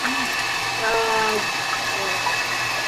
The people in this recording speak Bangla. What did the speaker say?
আমি স্পাইডারম্যানের অপরাধের প্রমাণওয়ালা ভিডিও চাই।